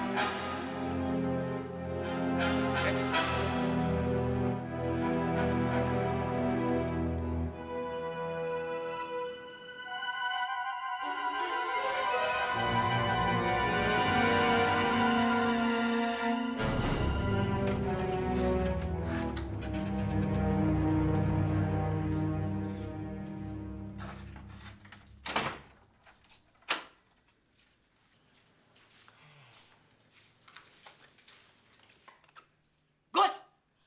kau mau ngasih apa